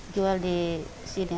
jual di sini aja